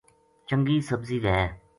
چنگی سبزی وھے